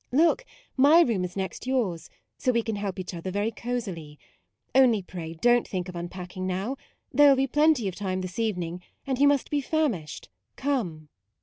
Look, my room is next yours, so we can help each other very cosily: only pray do n't think of unpacking now: there will be plenty of time this evening, and you must be famished: come."